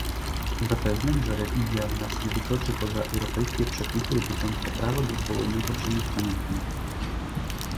Zapewniam, że rewizja znacznie wykroczy poza europejskie przepisy dotyczące prawa do swobodnego przemieszczania się